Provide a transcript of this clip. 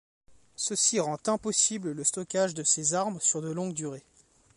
Ceci rend impossible le stockage de ces armes sur de longues durées.